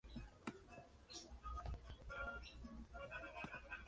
El segundo tema es un aire de danza.